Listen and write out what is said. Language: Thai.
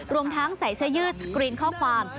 รวมทั้งใส่เสื้อยืดสกรีนข้อความ